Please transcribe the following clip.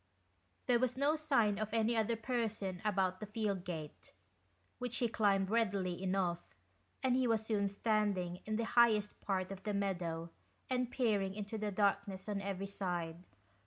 63 GHOST TALES. There was no sign of any other person about the field gate, which he climbed readily enough, and he was soon standing in the highest part of the meadow and peering into the darkness on every side.